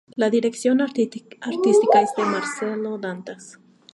La dirección artística es de Marcello Dantas.